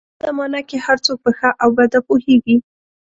په اوس زمانه کې هر څوک په ښه او بده پوهېږي